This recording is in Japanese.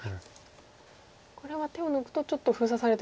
これは手を抜くとちょっと封鎖されてしまうんですね。